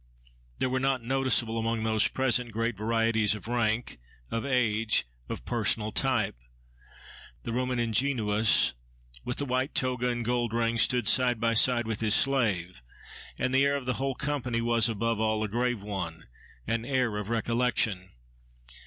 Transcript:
There were noticeable, among those present, great varieties of rank, of age, of personal type. The Roman ingenuus, with the white toga and gold ring, stood side by side with his slave; and the air of the whole company was, above all, a grave one, an air of recollection.